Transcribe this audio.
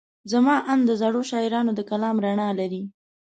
زما اند د زړو شاعرانو د کلام رڼا لري.